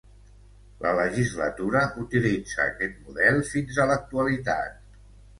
La legislatura utilitza aquest model fins a l'actualitat.